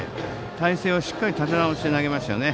体勢はしっかり立て直して投げましたね。